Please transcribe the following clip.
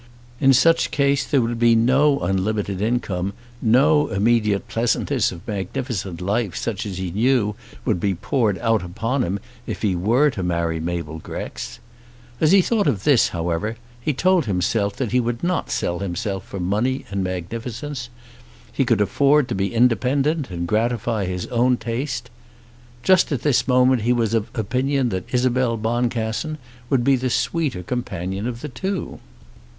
In such case there would be no unlimited income, no immediate pleasantness of magnificent life such as he knew would be poured out upon him if he were to marry Mabel Grex. As he thought of this, however, he told himself that he would not sell himself for money and magnificence. He could afford to be independent, and gratify his own taste. Just at this moment he was of opinion that Isabel Boncassen would be the sweeter companion of the two.